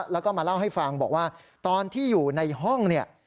แล้วก็มาเล่าให้ฟังบอกว่าตอนที่อยู่ในห้องเนี่ย